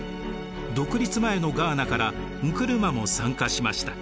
独立前のガーナからンクルマも参加しました。